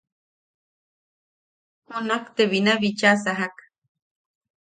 Junak te bina bicha sajak.